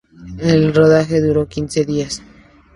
El rodaje duró quince días.